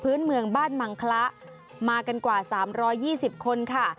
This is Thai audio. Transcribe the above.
พื้นเมืองบ้านมังคละมากันกว่า๓๒๐คนค่ะ